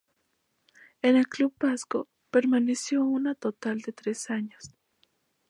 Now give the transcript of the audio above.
En el club vasco permaneció un total de tres años.